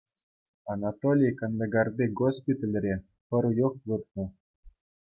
Анатолий Кандагарти госпитальре пӗр уйӑх выртнӑ.